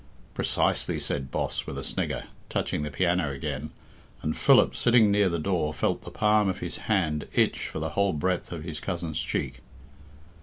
"Precisely," said Boss, with a snigger, touching the piano again, and Philip, sitting near the door, felt the palm of his hand itch for the whole breadth of his cousin's cheek.